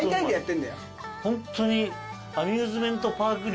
ホントに。